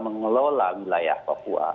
mengelola wilayah papua